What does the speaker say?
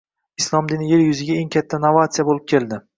Islom dini yer yuziga eng katta novatsiya bo‘lib keldi!